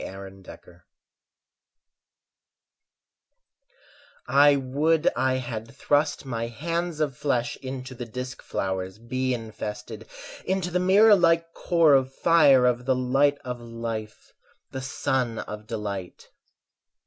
Edmund Pollard I would I had thrust my hands of flesh Into the disk flowers bee infested, Into the mirror like core of fire Of the light of life, the sun of delight.